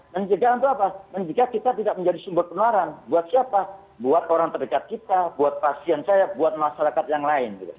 menjaga untuk apa menjaga kita tidak menjadi sumber penularan buat siapa buat orang terdekat kita buat pasien saya buat masyarakat yang lain